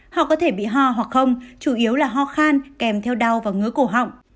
họ có thể bị ho hoặc không chủ yếu là ho khan kèm theo đau và ngứa cổ họng